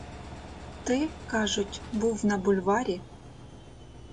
Ти, кажуть, був на бульварі?